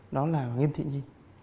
đó là nhiêm thị nhi